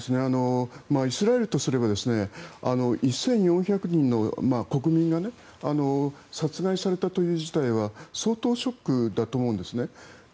イスラエルとすれば１４００人の国民が殺害されたという事態は相当ショックだと思うんですね。